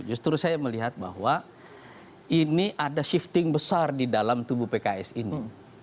justru saya melihat bahwa ini ada shifting besar di dalam tubuh pks ini